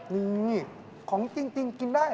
นี่ของจริงกินได้